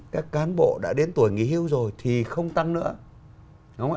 các cán bộ đã đến tuổi nghỉ hưu rồi thì không tăng nữa